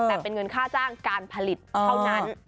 แต่เป็นเงินค่าจ้างการผลิตเท่านั้น